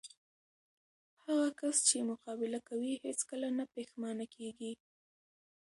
هغه کس چې مقابله کوي، هیڅ کله نه پښېمانه کېږي.